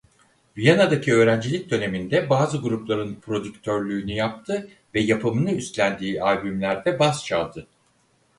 Viyana'daki öğrencilik döneminde bazı grupların prodüktörlüğünü yaptı ve yapımını üstlendiği albümlerde bas çaldı.